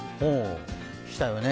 したよね？